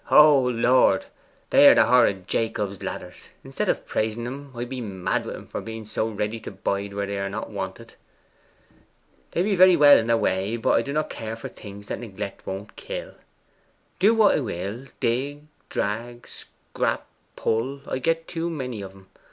O Lord, they are the horrid Jacob's ladders! Instead of praising 'em, I be mad wi' 'em for being so ready to bide where they are not wanted. They be very well in their way, but I do not care for things that neglect won't kill. Do what I will, dig, drag, scrap, pull, I get too many of 'em.